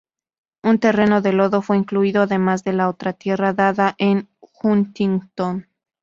Un terreno de lodo fue incluido además de la otra tierra dada a Huntington.